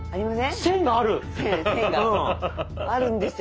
線があるんですよ